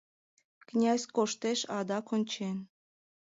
Князь коштеш адак ончен;